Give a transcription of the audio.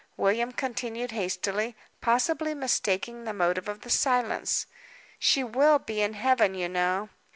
William continued hastily; possibly mistaking the motive of the silence. "She will be in Heaven, you know."